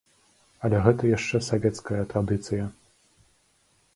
Але гэта яшчэ савецкая традыцыя.